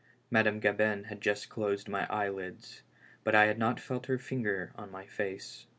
Madame Gabin had just closed my eyelids, but I had not felt her finger on my face.